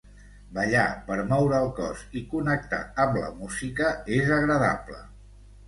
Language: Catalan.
Ballar per moure el cos i connectar amb la música és agradable